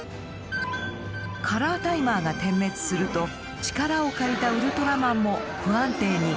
カラータイマーが点滅すると力を借りたウルトラマンも不安定に。